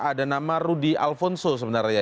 ada nama rudi alfonso sebenarnya